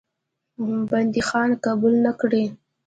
بندیخانه قبوله نه کړې.